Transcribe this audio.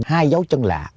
hai dấu chân lạ